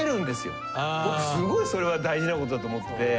僕すごいそれは大事なことだと思ってて。